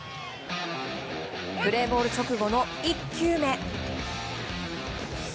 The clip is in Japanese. プレイボール直後の１球目。